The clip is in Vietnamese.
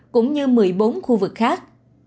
cũng như một mươi bốn khu vực khác